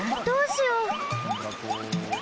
どうしよう！？